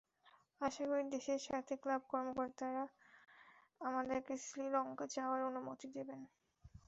আশা করি, দেশের স্বার্থে ক্লাব কর্মকর্তারা আমাদের শ্রীলঙ্কা যাওয়ার অনুমতি দেবেন।